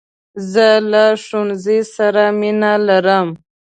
زه له ښوونځۍ سره مینه لرم .